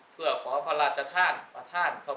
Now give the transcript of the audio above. เพื่อขอพระราชทานพระท่านพระม